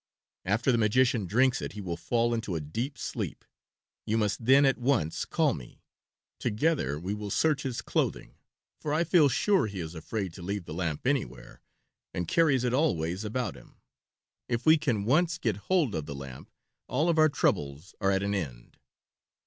After the magician drinks it he will fall into a deep sleep. You must then at once call me. Together we will search his clothing, for I feel sure he is afraid to leave the lamp anywhere, and carries it always about him. If we can once get hold of the lamp all of our troubles are at an end."